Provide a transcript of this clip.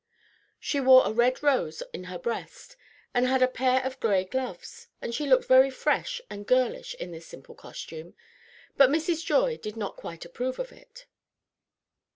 She wore a red rose in her breast, and had a pair of gray gloves, and she looked very fresh and girlish in this simple costume; but Mrs. Joy did not quite approve of it.